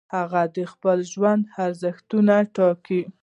هغه د خپل ژوند ارزښتونه ټاکي.